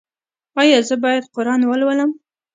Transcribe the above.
ایا زه باید قرآن ولولم؟